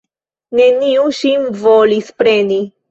Neniu ŝin volis preni.